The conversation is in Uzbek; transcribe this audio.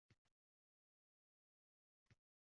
“Zo’rku.”